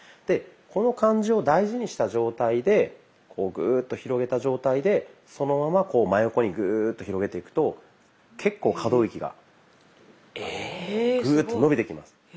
でこの感じを大事にした状態でこうグーッと広げた状態でそのままこう真横にグーッと広げていくと結構可動域がグーッと伸びてきます。